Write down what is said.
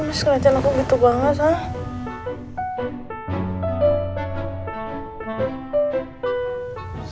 ngajak aku gitu banget